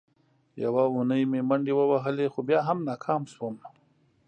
یوه اونۍ مې منډې ووهلې، خو بیا هم ناکام شوم.